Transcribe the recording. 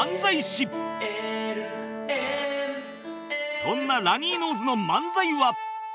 そんなラニーノーズの漫才は